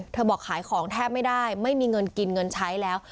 บอกขายของแทบไม่ได้ไม่มีเงินกินเงินใช้แล้ว